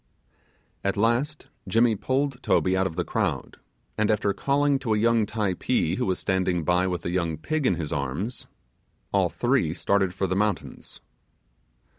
At last Jimmy pulled Toby out of the crowd, and after calling to a young Typee who was standing by with a young pig in his arms, all three started for the mountains.